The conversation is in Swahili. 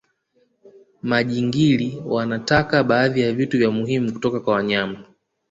majingili wanataka baadhi ya vitu vya muhimu kutoka kwa wanyama